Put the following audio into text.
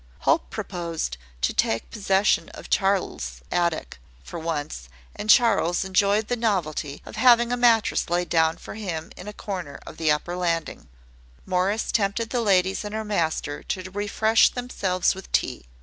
Hope proposed to take possession of Charles's attic, for once; and Charles enjoyed the novelty of having a mattress laid down for him in a corner of the upper landing. Morris tempted the ladies and her master to refresh themselves with tea.